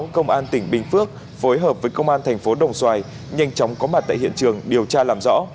công an thành phố đồng xoài nhanh chóng có mặt tại hiện trường điều tra làm rõ